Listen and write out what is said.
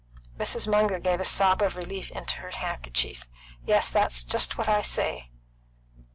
Mrs. Munger gave a sob of relief into her handkerchief. "Yes, that's just what I say."